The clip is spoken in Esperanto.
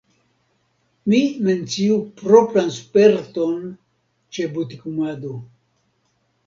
Mi menciu propran sperton ĉe butikumado.